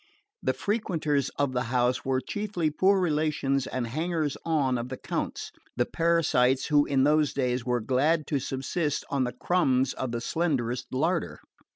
The frequenters of the house were chiefly poor relations and hangers on of the Count's, the parasites who in those days were glad to subsist on the crumbs of the slenderest larder.